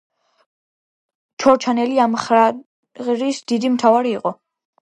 ჩორჩანელი ამ მხარის დიდი მთავარი იყო.